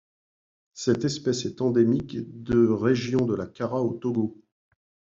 Cette espèce est endémique de région de la Kara au Togo.